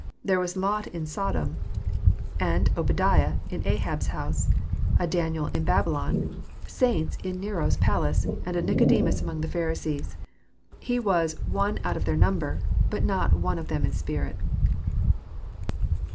There was a Lot in Sodom, an Oba diah in Ahab*s house, a Daniel in Babylon, saints in Nero's palace, and a Nicodemus among the Pharisees. He was '*oiie out of their number/' but not one of them in spirit.